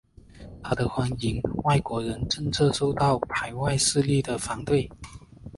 他的欢迎外国人政策受到排外势力的反对。